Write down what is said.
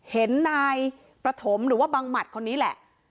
เห็นนายประถมหรือว่าบังหมัดคนนี้แหละ